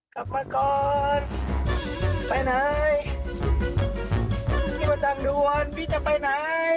กลับมาก่อนไปไหนนี่มนทางด้วยพี่จะไปไหน